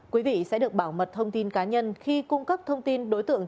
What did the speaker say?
quý vị sẽ được bảo mật thông tin cá nhân khi cung cấp thông tin đối tượng